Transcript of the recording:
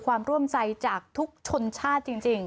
ร่วมใจจากทุกชนชาติจริง